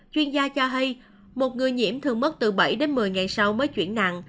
chuyên gia cho hay một người nhiễm thường mất từ bảy đến một mươi ngày sau mới chuyển nạn